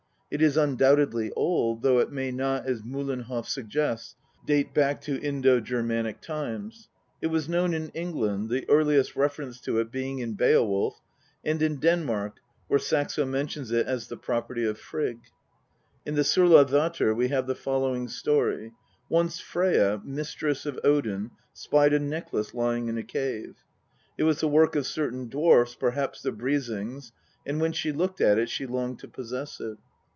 It is undoubtedly old, though it may not, as Miillenhoff suggests, date back to Indo Germanic times. It was known in England, the earliest reference to it being in Beowulf, and in Denmark, where Saxo mentions it as the property of Frigg. In the S6rla)?attr we have the following story : Once Freyja, mistress of Odin, spied a necklace lying in a cave. It was the work of certain dwarfs, perhaps the Brisings, and when she looked at it she longed to possess it.